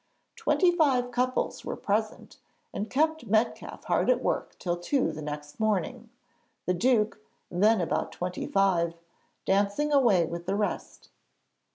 Twenty five couples were present and kept Metcalfe hard at work till two the next morning; the Duke, then about twenty five, dancing away with the rest.